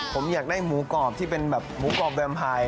ผมอยากได้หมูกรอบที่เป็นแบบหมูกรอบแบบพาย